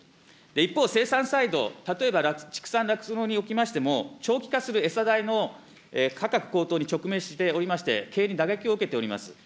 一方、生産サイド、例えば畜産、酪農におきましても、長期化する餌代の価格高騰に直面しておりまして、経営に打撃を受けております。